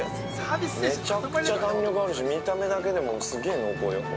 ◆めちゃくちゃ弾力あるし見た目だけでもすげえ濃厚よ。